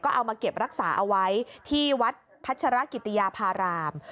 เอามาเก็บรักษาเอาไว้ที่วัดพัชรกิติยาพาราม